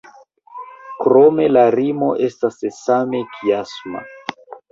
Krome la rimo estas same kiasma.